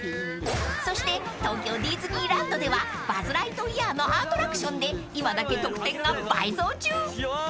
［そして東京ディズニーランドではバズ・ライトイヤーのアトラクションで今だけ得点が倍増中］